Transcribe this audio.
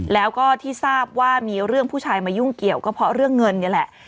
แล้วก็ที่ทราบว่ามีเรื่องผู้ชายมายุ่งเกี่ยวก็เพราะเรื่องเงินนี่แหละ